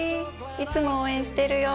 いつも応援してるよ。